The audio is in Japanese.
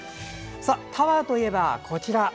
タワーといえば、こちら。